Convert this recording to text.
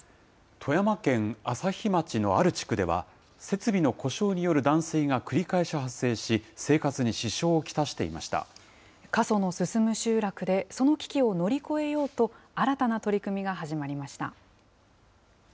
富山県朝日町のある地区では、設備の故障による断水が繰り返し発生し、過疎の進む集落で、その危機を乗り越えようと、新たな取り組みが始まりました。